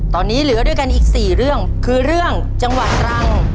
ตอนนี้หรืออีก๔เรื่องคือเรื่องจังหวัยรัง